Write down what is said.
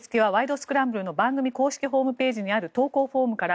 スクランブル」の番組公式ホームページにある投稿フォームから。